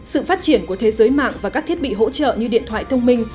sự phát triển của thế giới mạng và các thiết bị hỗ trợ như điện thoại thông minh